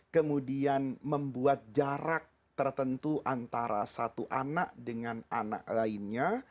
kemudian membuat jarak tertentu antara satu anak dengan anak lainnya